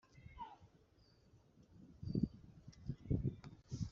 kimwe n'icy'utugarurumuri tw'imbere n'utw'inyuma